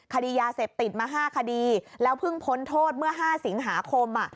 คดียาเสพติดมา๕คดีแล้วเพิ่งพ้นโทษเมื่อ๕สิงหาคม